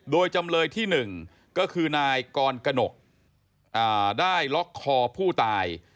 โดยจำเลยที่๑ก็คือนายกรกนกได้ล็อกคอผู้ตาย